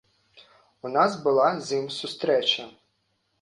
У нас была з ім сустрэча.